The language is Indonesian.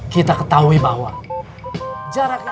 kita ketahui bahwa jaraknya